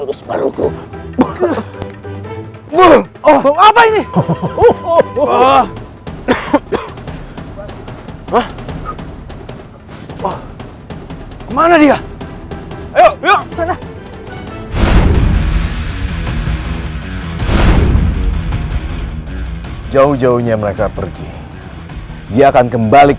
rasanya cuncung separuhku